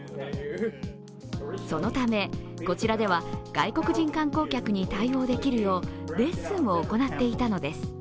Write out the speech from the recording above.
そのためこちらでは外国人観光客に対応できるようレッスンを行っていたのです。